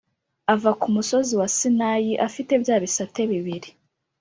Ava kumusozi wa Sinayi afite bya bisate bibiri